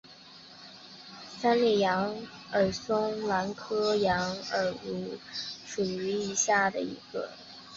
三裂羊耳蒜为兰科羊耳蒜属下的一个种。